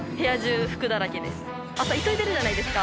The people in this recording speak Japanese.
朝急いでるじゃないですか。